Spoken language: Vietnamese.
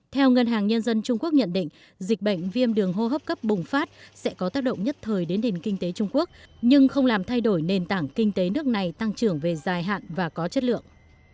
theo ngân hàng nhân dân trung quốc nhận định dịch bệnh viêm đường hô hấp cấp bùng phát sẽ có tác động nhất thời đến nền kinh tế trung quốc nhưng không làm thay đổi nền tảng kinh tế nước này tăng trưởng về dài hạn và có chất lượng